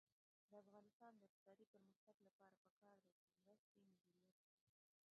د افغانستان د اقتصادي پرمختګ لپاره پکار ده چې مرستې مدیریت شي.